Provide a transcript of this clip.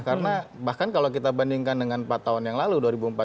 karena bahkan kalau kita bandingkan dengan empat tahun yang lalu dua ribu empat belas